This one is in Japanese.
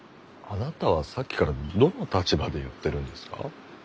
あなたはさっきからどの立場で言ってるんですか？